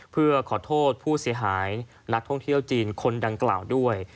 เพื่อขอโทษผู้เสียหายนักท่องเที่ยวจีนคนดังกล่าวด้วย